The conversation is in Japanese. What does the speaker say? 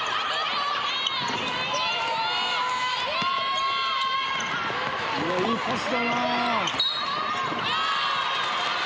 いいパスだな。